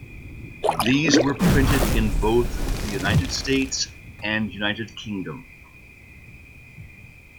These were printed in both the United States and United Kingdom.